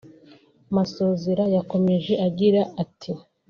Masozera yakomeje agira ati